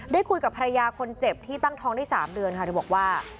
ได้คุยกับภรรยาคนเจ็บที่ตั้งท้องได้๓เดือนค่ะเธอบอกว่า